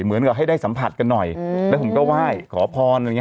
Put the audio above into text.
เหมือนกับให้ได้สัมผัสกันหน่อยแล้วผมก็ไหว้ขอพรอะไรอย่างนี้